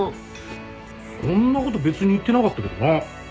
そんなこと別に言ってなかったけどな。